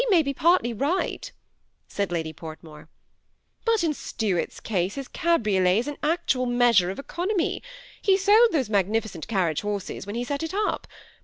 may be partly right," said Lady Portmore ;" but in Stnart's case his cabriolet is an actual measure of economy ; he sold those magnificent carriage horses when he set it up.